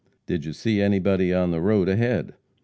"Did you see anybody on the road ahead?"